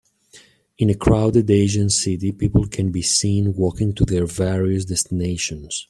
in a crowded asian city people can be seen walking to their various destinations.